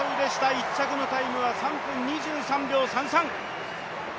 １着のタイムは３分２３秒３３。